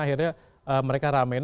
akhirnya mereka ramai